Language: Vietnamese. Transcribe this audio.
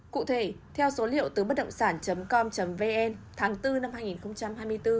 cụ thể theo số liệu từ bất động sản com vn tháng bốn năm hai nghìn hai mươi bốn